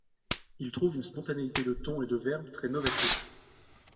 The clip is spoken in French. Il trouve une spontanéité de ton et de verbe très novatrice.